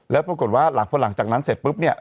แล้วปรากฏว่าหลังพอหลังจากนั้นเสร็จปุ๊บเนี่ย